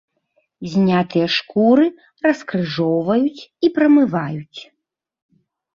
Знятыя шкуры раскрыжоўваюць і прамываюць.